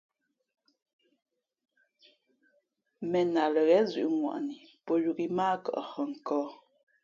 ̀mēn a lα ghén zʉ̄ʼŋwαni pō yōk ǐ mά ǎ kα pēh nkᾱᾱ.